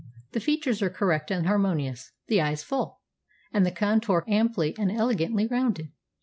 The features are correct and harmonious; the eyes full; and the contour amply and elegantly rounded.